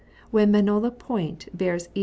When Mannola Foint bears E.S.